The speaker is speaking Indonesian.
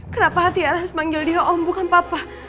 kenapa tiara harus memanggil dia oh bukan papa